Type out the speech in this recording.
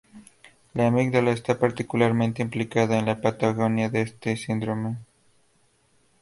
La amígdala está particularmente implicada en la patogenia de este síndrome.